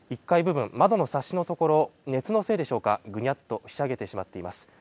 １階部分、窓のサッシの部分、熱のせいでしょうか、ぐにゃっとひしゃげてしまっています。